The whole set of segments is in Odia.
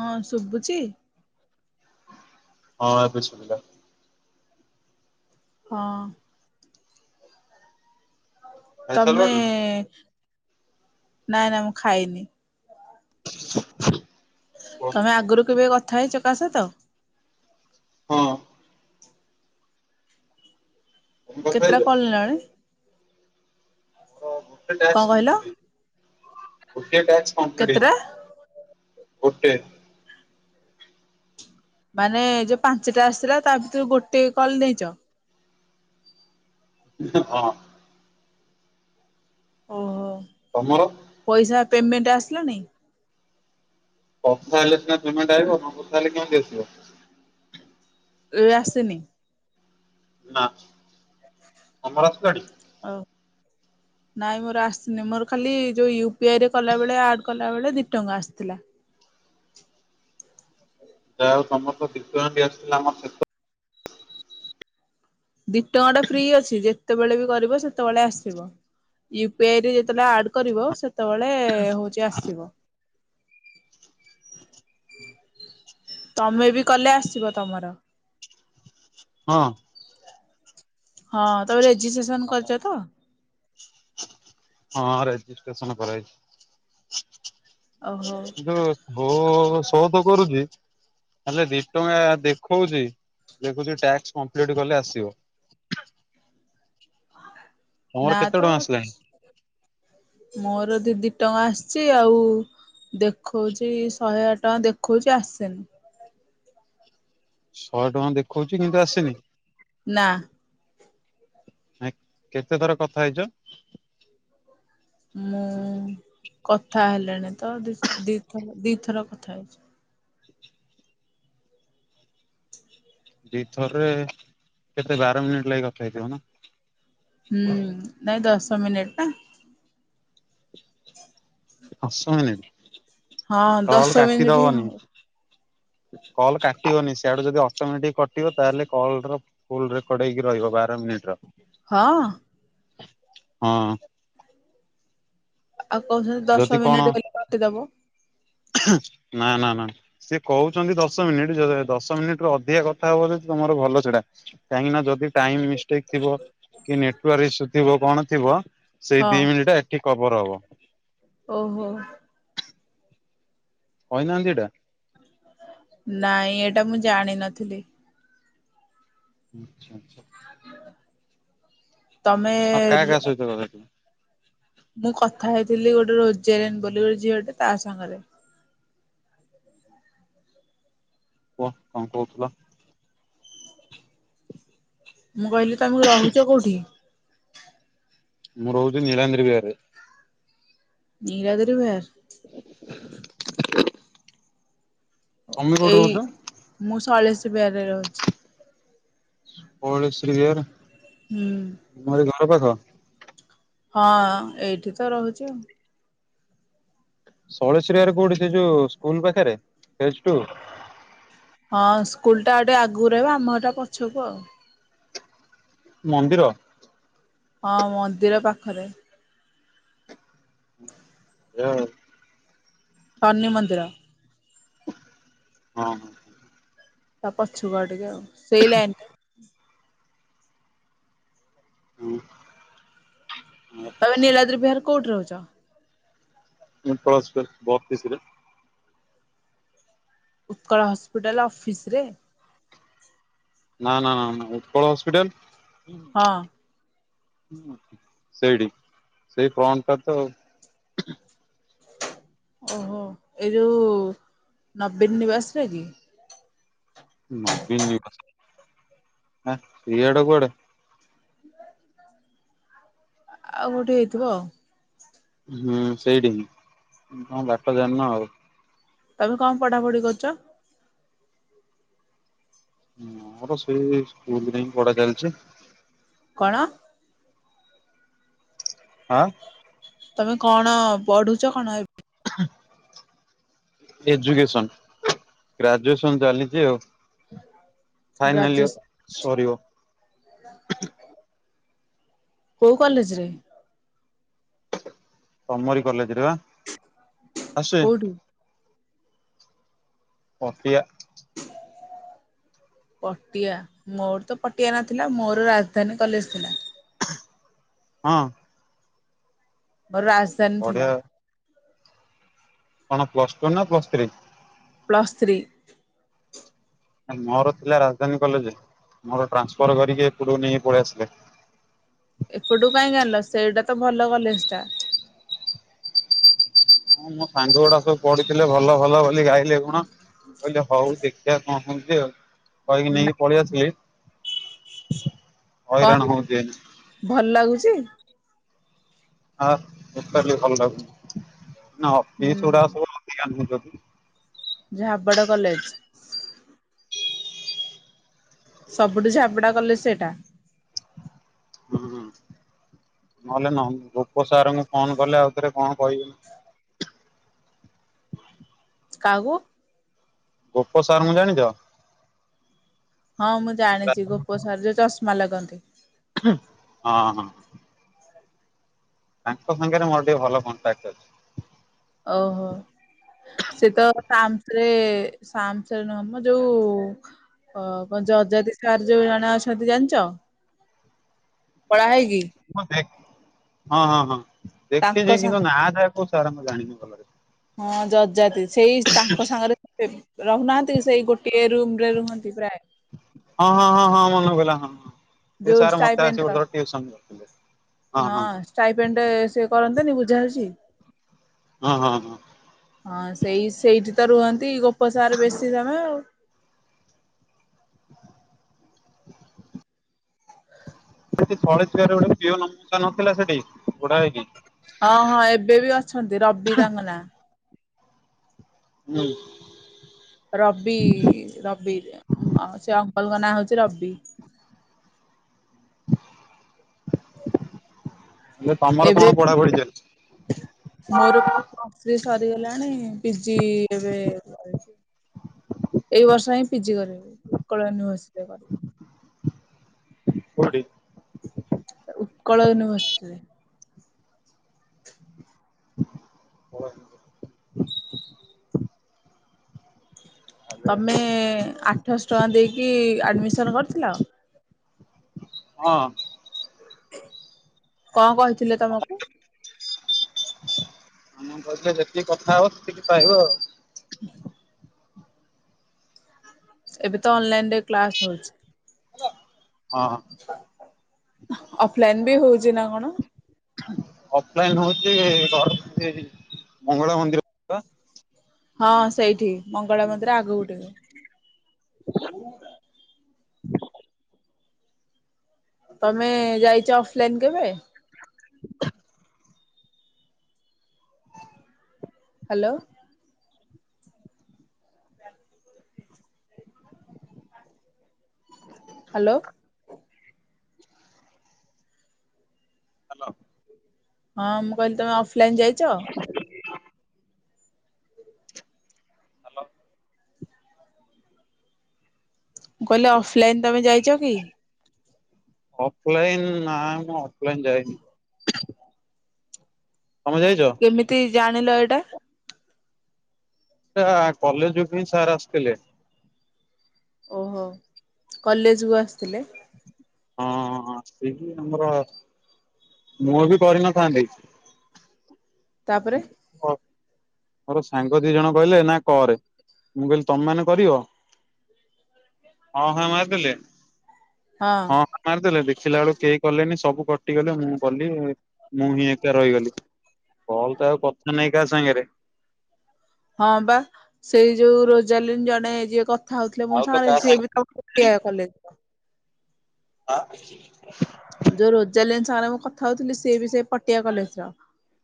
ହଁ ଶୁବୁଚି? ହଁ ଏବେ ସୁବିଲା। ହଁ। ତମେ ଖାଇସାରିଲଣି ନାଇ ନାଇଁ ମୁଁ ଖାଇନି। କୁହ ତମେ ଆଗରୁ କେବେ କଥା ହେଇଚ କା ସହିତ। ହଁ। ତମେ କଥା ହେଇଛ କେତେଟା କଲ ନେଲଣି। ସେ ମୋର କାଳିଆ ଗୋଟେ ଟାସ୍କ କମପ୍ଲିଟ୍ ହେଇଛି। ଗୋଟିଏ ଟାସ୍କ କମପ୍ଲିଟ୍ କେତେଟା ହେଇଛି। ଗୋଟେ। ମାନେ ଯୋଉ ପାଞ୍ଚଟା ଆସିଥିଲା ତା ଭିତରୁ ଗୋଟିଏ କଲ ନେଇଛ। ଉଁ ହୁଁ ହଁ। ଓହୋ। ତମର? ପଇସା ପେମେଣ୍ଟ ଆସିଲା ନେହିଁ। କଥା ହେଲେ ସିନା ପେମେଣ୍ଟ [unintelligible] ନକଥା ହେଲେ କେମିତି ଆସିବ? ଏ ଆସିନି। ନା ତମର ଆସିଲାଡି। ଆଉ ନାଇଁ ମୋର ଆସିନି ମୋର ଖାଲି ଯୋଉ ୟୁ ପି ଆଇ ରେ କଲାବେଳେ ଆଡ଼ କଲାବେଳେ ଦି ଟଙ୍କା ଆସିଥିଲା। ଯାହୋଉ ତମର ତ ଦି ଟଙ୍କା ବି ଆସିଥିଲା ଆମର ସେଶ ଦିଟଙ୍କା ଟା ଫ୍ରି ଅଛି ଯେତେବେଳେ ବି କରିବ ସେତେବେଳେ ଆସିବ। ୟୁ ପି ଆଇରେ ଯେତେବେଳେ ଆଡ କରିବ ସେତେବେଳେ ହଉଛି ଆସିବ। ତମେ ବି କଲେ ଆସିବ ତମର? ହଁ। ହଁ ତମେ ରେଜିଷ୍ଟେସନ କରିଚ ତ? ହଁ ରେଜିଷ୍ଟେସନ କରାହେଇଚି। ଓହୋ ଯୋଉ ଶୋ ଶୋତ କରୁଚି। ହେଲେ ଦି ଟଙ୍କା ଦେଖଉଛି ଦେଖୋଉଚି ଟାକ୍ସ କମପ୍ଲିଟ୍ କଲେ ଆସିବ। ତମର ନା କେତେ ତ। ଟଙ୍କା ଆସିଲାଣି ମୋର ଦି ଦି ଟଙ୍କା ଆସିଛି ଆଉ। ଦେଖୋଉଛି ଶହେ ଆଠ ଟଙ୍କା ଦେଖଉଛି ଆସେନି। ଶହେ ଟଙ୍କା ଦେଖଉଛି କିନ୍ତୁ ଆସନି? ନା ନାଇଁ କେତେ ଥର କଥା ହେଇଚ? ମୁଁ କଥା ହେଲେଣି ତ ଦି ଦିଥର ଦିଥର କଥା ହେଇଚି। ଦିଥରରେ କେତେ ବାର ମିନିଟ୍ ଲାଗି କଥା ହେଇଥିବ ନା। ହୁଁ ନାଇଁ ଦଶ ମିନିଟ ନା। ଦଶ ମିନିଟ୍, ହଁ କଲ୍ ଦଶ କାଟି ମିନିଟ ହିଁ ଦବନି। ହବ। କଲ୍ କାଟିବନି ସିଆଡୁ ଯଦି ଅଟୋମେଟିକ୍ କଟିବ ତାହେଲେ କଲ୍ [unintelligible] ଫୁଲ୍ ରେକର୍ଡ ହେଇକି ରହିବ ବାର ମିନିଟ୍ ର। ହଁ। ହଁ। ଆଉ କହୁଛନ୍ତି ଯଦି ଦଶ କଣ ମିନିଟ୍ କହିକି କାଟିଦବ। ନା, ନା, ନା। ସିଏ କହୁଛନ୍ତି ଦଶ ମିନିଟ୍ ଯଦି ଦଶ ମିନିଟ୍ ରୁ ଅଧିକା କଥା ହବ ଯଦି ତୋମର ଭଲ ସେଟା। କାହିଁକି ନା ଯଦି ଟାଇମ୍ ମିଷ୍ଟେକ୍ ଥିବ କି ନେଟୱାର୍କ ଇସ୍ୟୁ ଥିବ କଣ ଥିବ ସେଇ ହଁ ଦି ମିନିଟ୍ ଟା ଏଠି କଭର୍ ହବ। ଓହୋ। କହିନାହାନ୍ତି ଏଟା? ନାଇଁ ଏଟା ମୁଁ ଜାଣିନଥିଲି। ଆଚ୍ଛା, ଆଚ୍ଛା। ତୋମେ ଆଉ ର [unintelligible] ମୁଁ କଥା ହେଇଥିଲି ଗୋଟେ ରୋଜାରିନ୍ ବୋଲି ଗୋଟେ ଝିଅଟେ ତା ସାଙ୍ଗରେ। କୁହ କଣ କହୁଥୁଲ? ମୁଁ କହିଲି ତୋମକୁ ରହୁଚ କୋଉଠି? ମୁଁ ରହୁଚି ନୀଳାନ୍ଦ୍ରି ବିହାରରେ। ନୀଳାଦ୍ରି ବିହାର। [inaudible] ତମେ କୋଉଠି ଏଇ ରହୁଛ? ମୁଁ ଶୈଳଶ୍ରି ବିହାରରେ ରହୁଛି। କଳଶ୍ରି ବିହାର। ହୁଁ। ତୁମରି ଘର ପାଖ। ହଁ ଏଇଠି ତ ରହୁଚି ଆଉ। ଶୈଳଶ୍ରୀ ବିହାର କୋଉଠି ସେ ଯୋଉ ସ୍କୁଲ୍ ପାଖରେ ଫେଜ୍ ଟୁ? ହଁ ସ୍କୁଲ୍ ଟା ଆଉ ଟିକେ ଆଗକୁ ରହିବ, ଆମ ଘରଟା ପଛକୁ ଆଉ। ମନ୍ଦିର? ହଁ ମନ୍ଦିର ପାଖରେ। ଏ ଶନି ମନ୍ଦିର। ହଁ, ହଁ। ତା ପଛୁ କୁ ଆଉ ଟିକେ ଆଉ ସେଇ ଲାଇନ୍ ଟା। ହଁ। ତୋମେ ନୀଳାଦ୍ରି ବିହାର କୋଉଠି ରହୁଛ? ମୁଁ ଉତ୍କଳ ହସ୍ପିଟାଲ୍ ବ ଅଫିସ୍ ରେ। ଉତ୍କଳ ହସ୍ପିଟାଲ୍ ଅଫିସ୍ ରେ? ନା, ନା, ନା, ନା ଉତ୍କଳ ହସ୍ପିଟାଲ୍। ହଁ। ହଁ ସେଇଠି ସେଇ ଫ୍ରଣ୍ଟ ଟା ତ। ଓହୋ, ଏଇ ଯୋଉ ନବୀନ ନିବାସ ରେ କି? ନବୀନ ନିବାସ ହେ ସିଆଡେ କୁଆଡେ। ଆଉ କୋଉଠି ହେଇଥିବ ଆଉ। ହୁଁ, ସେଇଠି ହିଁ, ତୋମେ ବାଟ ଜାଣିନ ଆଉ। ତମେ କଁ ପଢାପଢି କରୁଚ? ମୋର ସେଇ ସ୍କୁଲରେ ହିଁ ପଢା ଚାଲିଚି। କଣ? ଆଁ। ତମେ କଣ ପଢୁଚ କଣ ଏ [unintelligible] ଏଜୁକେସନ ଗ୍ରାଜୁଏସନ ଚାଲିଚି ଆଉ। Final year graduation? ସରିବ। କୋଉ କଲେଜ ରେ? ତମରି କଲେଜରେ ବା ଆସୁଚି। କୋଉଠି? ପତିଆ। ପଟିଆ, ମୋର ତ ପଟିଆ ନଥିଲା ମୋର ରାଜଧାନୀ କଲେଜ ଥିଲା। ହଁ। ମୋର ରାଜଧାନୀ ପଢିଆ ଥିଲା। କଣ ପ୍ଲସ ଟୁ ନା ପ୍ଲସ ଥ୍ରୀ? Plus three. ଏ ମୋର ଥିଲା ରାଜଧାନୀ କଲେଜ ମୋର ଟ୍ରାନ୍ସଫର କରିକି ଏପଟକୁ ନେଇ ପଳେଇ ଆସିଲି। ଏପଟୁକୁ କାଇଁକି ଆଣିଲ ସେଇଟା ତ ଭଲ କଲେଜ ଟା। ହଁ ମୋ ସାଙ୍ଗ ଗୁଡା ସବୁ ପଢିଥିଲେ ଭଲ ଭଲ ବୋଲି ଗାଇଲେ ଗୁଣ। କହିଲି ହଉ ଦେଖିଆ କଣ ହଉଛି ଆଉ କହିକି ନା ନେଇକି ପଳେଇ ଆସଲି। କଣ ହଇରାଣ ହେଲା? ହଉଚି ଏଇନା। ଭଲ ଲାଗୁଚି। ହ ଟୋଟାଲି ଭଲ ଲାଗୁନି ନା ଅପିସ୍ ଗୁଡା ହୁଁ ସବୁ ଅଧିକା ନଉଚନ୍ତି। ଝାବଡ କଲେଜ। ସବୁଠୁ ଝାବେଡା କଲେଜ ସେଟା। ହୁଁ, ନହେଲେ ନ ରୂପ ସାରଙ୍କୁ ଫୋନ କଲେ ଆଉଥରେ କଁ କହିବେ। କାକୁ। ଗୋପ ସାର୍ ଙ୍କୁ ଜାଣିଚ? ହଁ ମୁଁ ଜାଣିଚି ଗୋପ ସାର ଯୋଉ ଚଷମା ଲଗନ୍ତି। ହଁ ହଁ। ତାଙ୍କ ସାଙ୍ଗେରେ ମୋର ଟିକେ ଭଲ କଣ୍ଟାକ୍ଟ ଅଛି। ଓହୋ। ସେ ତ ତାମସରେ ସାମସ ନୁହଁ ମ ଯୋଉ ଓ କଣ ଅଜାତି ସାର୍ ଯୋଉ ଜଣେ ଅଛନ୍ତି ଜାଣିଚ? କଳା ହେଇକି। ମୁଁ ଦେଖ ହଁ ହଁ ହଁ ତାଙ୍କ ଦେଖଛି ସା କିନ୍ତୁ ନାଁ ଯାହା କଉ ସାର୍ ଙ୍କର୍ ଜାଣିନି ଭଲ ରେ। ହଁ ଜଜାତି ସେଇ ତାଙ୍କ ସାଙ୍ଗରେ ରହୁନାହାନ୍ତି ସେଇ ଗୋଟିଏ ରୁମ ରେ ରୁହନ୍ତି ପ୍ରାୟ। ହଁ ହଁ ହଁ ହଁ ମନ ପଇଲା ହଁ ହଁ ସେ ଯୋଉ ସାର୍ ମତେ ଆସି ଷ୍ଟାଇପେଣ୍ଟ ର ଗୋଟେ ଥର ଟିଉସନ୍ କରଥିଲେ। ହଁ ଷ୍ଟାଇପେଣ୍ଡ ସେ କରନ୍ତନି ବୁଝା ବୁଝି। ହଁ ହଁ ହଁ। ହଁ ସେଇ ସେଇଠି ତ ରୁହନ୍ତି ଗୋପସାର ବେଶୀ ସମୟ ଆଉ। ସେଠୀ [unintelligible] ପିଅନ ମଉସା ନଥିଲା ସେଠି ବୁଢା ହେଇକି। ହଁ ହଁ ଏବେ ବି ଅଛନ୍ତି ରବି ତାଙ୍କ ନାଁ। ହୁଁ ରବି ରବି ଆଉ ସେ ଅଙ୍କଲଙ୍କ ନାଁ ହଉଛି ରବି। ହେଲେ ତମର କଣ ଏବେ ପଢାପଢି ଚାଲିଛି। ସ୍ତ୍ରୀ ସରିଗଲାଣି ପିଜି ଏବେ ଏଇ ବର୍ଷ ହିଁ ପିଜି କରିବି ଉକଳ ୟୁନିଭର୍ସି ରେ। କୋଉଠି? ଉତ୍କଳ ୟୁନିଭର୍ସିଟିରେ ହ ତମେ ଆଠଶହ ଟଙ୍କା ଦେଇକି ଆଡ଼ମିସନ୍ କରିଥିଲ? ହଁ କଣ କହିଥିଲେ ତମକୁ? ଆମ କହିଥିଲେ ଯେତିକି କଥା ହବ ସେତିକି ପାଇହିବ ଆଉ। ଏବେ ତ ଅନଲାଇନରେ କ୍ଲାସ ହଉଛି। ହଁ ହଁ ଅଫଲାଇନ ବି ହଉଛି ନା କଣ? ଅଫଲାଇନ ହଉଛି ଘ ମଙ୍ଗଳା ମନ୍ଦିର। ପା ହଁ ସେଇଠି ମଙ୍ଗଳା ମନ୍ଦିର ଆଗକୁ ଟିକେ। ତମେ ଯାଇଚ ଅଫଲାଇନ୍ କେବେ? ହାଲୋ ହାଲୋ ହାଲୋ ହଁ ମୁଁ କହିଲି ତମେ ଅଫଲାଇନ୍ ଯାଇଛ? ହାଲୋ କହିଲି ଅଫଲାଇନ୍ ତମେ ଯାଇଛ କି? ଅଫଲାଇନ୍ ନା ମୁଁ ଅଫଲାଇନ୍ ଯାାଇନି। ତମେ ଯାଇଚ? କେମିତି ଜାଣିଲ ଏଇଟା? ଟା କଲେଜୁ କୁ ହିଁ ସାର୍ ଆସିଥିଲେ। ଓହୋ କଲେଜ କୁ ଆସିଥିଲେ? ହଁ ହଁ ସେବି ଆମର, ମୁଁ ବି କରିନଥାନ୍ତି। ତାପରେ [unintelligible] ମୋର ସାଙ୍ଗ ଦି ଜଣ କହିଲେ ନା କରେ, ମୁଁ କହିଲି ତମେ ମାନେ କରିବ? ହଁ ହାଁ ମାରିଦେଲେ, ହଁ ମାରିଦେଲେ ଦେଖିଲା ବେଳୁକୁ କେହି କଲେନି ସବୁ କଟିଗଲେ ମୁଁ କଲି। ମୁଁ ହିଁ ଏକା ରହିଗଲି, କଲ୍ ତ ଆଉ କଥା ନାଇଁ କାହା ସାଙ୍ଗରେ ହଁ ବା ସେଇ ଯୋଉ ରୋଜାଲିନ ଜଣେ ଯିଏ କଥା ହଉଥିଲେ ମୋ ଆଉ ତ ସାଙ୍ଗରେ କାହା ସିଏ ବି [unintelligible] ହାଁ ଯୋଉ ରୋଜାଲିନ ସାଙ୍ଗରେ ମୁଁ କଥା ହଉଥିଲି ସିଏ ବି ସେ ପଟିଆ କଲେଜ ର।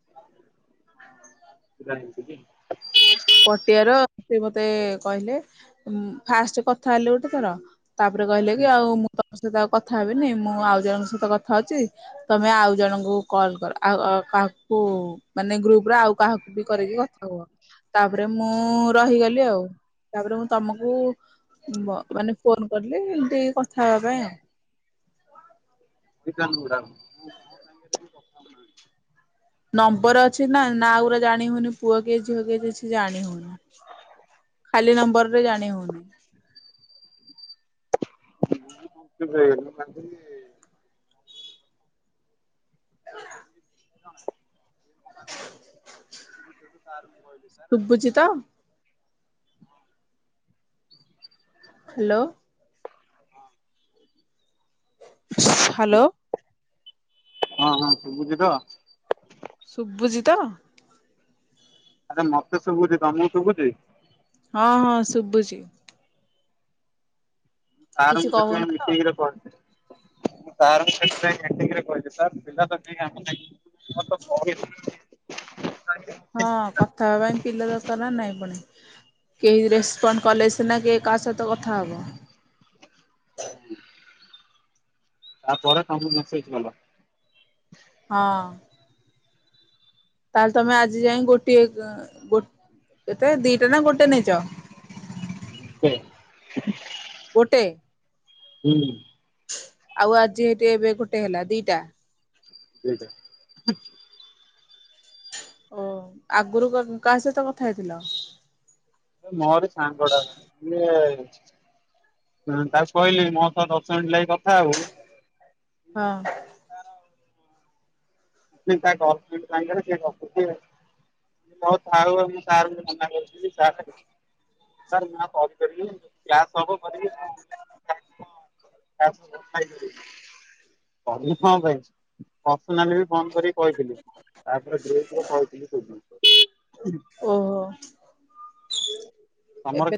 [unintelligible] ପଟିଆର ସେ ମତେ କହିଲେ ଉମ ଫାଷ୍ଟ କଥା ହେଲେ ଗୋଟେ ଥର ତାପରେ କହିଲେ କି ଆଉ ମୁଁ ତମ ସହିତ ଆଉ କଥା ହେବିନି ମୁଁ ଆଉ ଜଣଙ୍କ ସହିତ କଥା ହଉଛି ତମେ ଆଉ ଜଣଙ୍କୁ କଲ୍ କର ଆଉ ଅ କାହାକୁ ମାନେ ଗ୍ରୁପ ରେ ଆଉ କାହାକୁ ବି କରିକି କଥା ହୁଅ। ତାପରେ ମୁଁ ରହିଗଲି ଆଉ, ତାପରେ ମୁଁ ତମକୁ ବ ମାନେ ଫୋନ କଲି ଏମିତି କଥା ହବା ପାଇଁ ଆଉ [unintelligible] ନମ୍ବର ଅଛି ନା ନାଁ ଗୁରା ଜାଣି ହଉନି ପୁଅ କିଏ ଝିଅ କିଏ କିଛି ଜାଣି ହଉନି? ଖାଲି ନମ୍ବରରେ ଜାଣି ହଉନି। [unintelligible] [unintelligible] [unintelligible] ସୁୁଭୁଚି ତ? ହାଲୋ। ହାଲୋ। ହଁ ହଁ ସୁବୁଚି ତ? ସୁବୁଚି ତ? ଆରେ ମତେ ଶୁଭୁଛି, ତମକୁ ଶୁଭୁଛି? ହଁ ହଁ ଶୁବୁଚି। ସାର୍ କିଛି ଙ୍କୁ କହୁନ ସେଥିପାଇଁ ମୁଁ ତ ମିଟିଂ ରେ ପ ମୁଁ ସାର୍ ଙ୍କୁ ସେଥିପାଇଁ ମିଟିଂ ରେ କହିଲି, ସାର୍ ପିଲା ତ କେହି କାମ [inaudible] ହଁ କଥା ହେବା ପାଇଁ ପିଲା ଦରକାର ନା ନାଇଁ ପୁଣି କେହି ରେସପଣ୍ଡ କଲେ ସିନା କେ କାହା ସହିତ କଥା ହବ। ତାପରେ ତମକୁ ସେଇ ନମ୍ବର ହଁ। ତାହେଲେ ତମେ ଆଜି ଯାଇ ଗୋଟିଏ ଏଁ ଗୋଟେ କେତେ ଦିଟା ନା ଗୋଟେ ନେଇଚ? ଗୋଟେ। ଗୋଟେ। ହୁଁ। ଆଉ ଆଜି ହେଇଠି ଏବେ ଗୋଟେ ହେଲା ଦିଟା। ଦିଟା। ଓ ଆଗରୁ କାହା ସହିତ କଥା ହେଇଥିଲ? ମୋରି ସାଙ୍ଗଟା ତ ଇଏ ତାକୁ କହିଲି ମୋ ସହିତ ଦଶ ମିନିଟ ଲାଗି କଥା ହବୁ। ହଁ। [inaudible] ହ ଥାଉ ମୁଁ ସାରଙ୍କୁ ମନା କରୁଥିଲି ସାର୍ ଙ୍କୁ। [inaudible] କଣ ପାଇଁ [inaudible] କଲ କରିକି କହିଥିଲି ତାପରେ [inaudible] ଓହୋ ତମର? ଏବେ